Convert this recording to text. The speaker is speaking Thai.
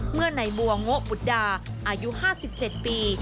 เมื่อในบัวโงะบุตรดาอายุ๕๗ปี